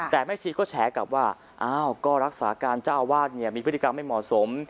แต่แม่ชีก็แฉกลับว่าอ้าวก็รักษาการเจ้าอาวาสเนี่ยมีพฤติกรรมไม่เหมาะสม